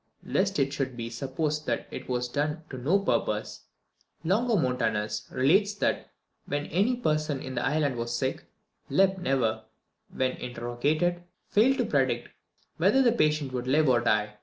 Lest it should be supposed that this was done to no purpose, Longomontanus relates that when any person in the island was sick, Lep never, when interrogated, failed to predict whether the patient would live or die.